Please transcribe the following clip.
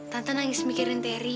tante nangis mikirin teri ya